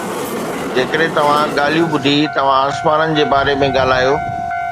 جيڪڏهن توهان ڳالهيون ٻڌي، توهان آسمانن جي باري ۾ ڳالهايو.